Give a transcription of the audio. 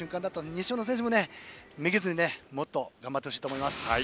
西小野選手もめげずにもっと頑張ってほしいと思います。